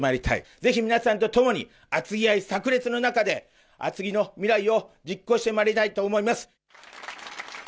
ぜひ皆さんと共に、厚木愛さく裂の中で、厚木の未来を実行してまいりたいと思います。